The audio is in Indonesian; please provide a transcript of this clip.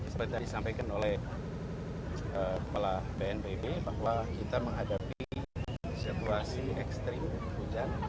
seperti tadi disampaikan oleh kepala bnpb bahwa kita menghadapi situasi ekstrim hujan